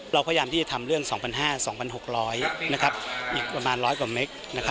เราพยายามที่จะทำเรื่อง๒๕๒๖๐๐อีกประมาณ๑๐๐กว่าเม็ด